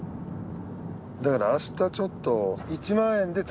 だからあしたちょっと。